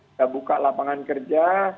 kita buka lapangan kerja